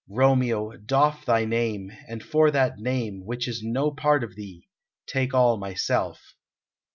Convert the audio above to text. Romeo, doff thy name, and for that name which is no part of thee, take all myself!"